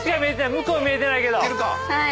向こう見えてないけど」